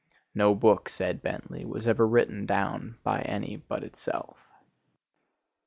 "No book," said Bentley, "was ever written down by any but itself."